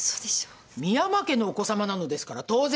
深山家のお子さまなのですから当然です。